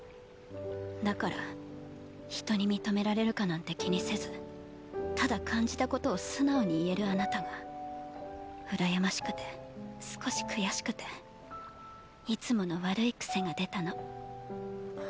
だから人に認められるかなんて気にせずただ感じたことを素直に言えるあなたが羨ましくて少し悔しくていつもの悪い癖が出たの。